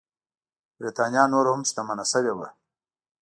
برېټانیا نوره هم شتمنه شوې وه.